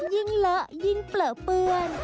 ยิ่งเหลอะยิ่งเปลอะเปื้อน